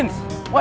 sampai jumpa lagi